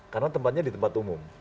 karena tempatnya di tempat umum